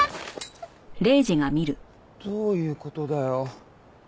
どういう事だよ？